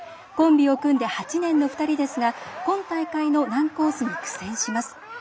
コンビを組んで８年の２人ですが今大会の難コースに苦戦します。